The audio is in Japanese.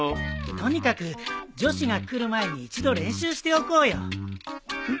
とにかく女子が来る前に一度練習しておこうよ。